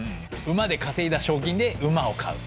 馬で稼いだ賞金で馬を買う。